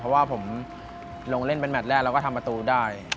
เพราะว่าผมลงเล่นเป็นแมทแรกแล้วก็ทำประตูได้